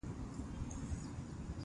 انګلیسي د پوهانو مقالو ژبه ده